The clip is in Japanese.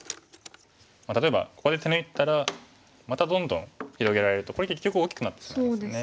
例えばここで手抜いたらまたどんどん広げられるとこれ結局大きくなってしまいますよね。